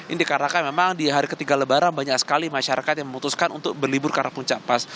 ini dikarenakan memang di hari ketiga lebaran banyak sekali masyarakat yang memutuskan untuk berlibur ke arah puncak pas